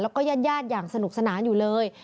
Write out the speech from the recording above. แล้วก็ญาติอย่างสนุกสนานอยู่เลย